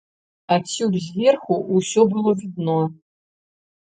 Адсюль зверху ўсё было відно.